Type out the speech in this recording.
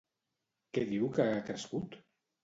Què diu que ha crescut?